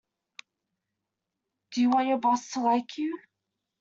Do you want your boss to like you?